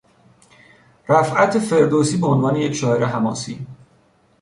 رفعت فردوسی به عنوان یک شاعر حماسی